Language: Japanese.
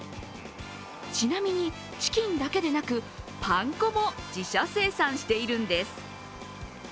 ちなみにチキンだけでなくパン粉も自社生産しているんです。